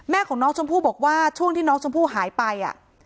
ของน้องชมพู่บอกว่าช่วงที่น้องชมพู่หายไป